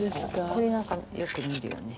これ何かよく見るよね。